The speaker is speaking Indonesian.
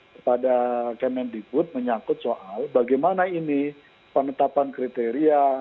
kepada kementerian diput menyakut soal bagaimana ini penetapan kriteria